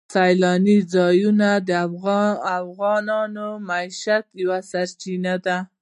سیلاني ځایونه د افغانانو د معیشت یوه سرچینه ده.